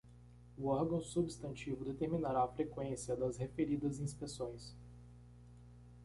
O órgão substantivo determinará a freqüência das referidas inspeções.